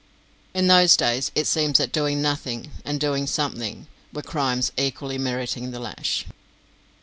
In those days it seems that "doing nothing" and "doing something" were crimes equally meriting the lash.